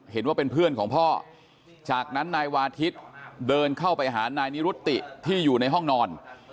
เห็นว่าเป็นเพื่อนของพ่อจากนั้นนายวาทิศเดินเข้าไปหานายนิรุติที่อยู่ในห้องนอน